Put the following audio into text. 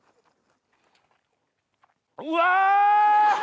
うわ！